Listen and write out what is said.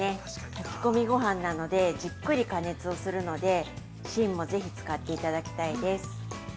炊き込みごはんなので、じっくり加熱をするので、芯もぜひ使っていただきたいです。